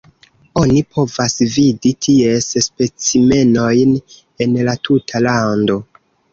Oni povas vidi ties specimenojn en la tuta lando.